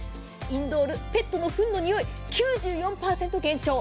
インドール、ペットのふんの臭い９４％減少。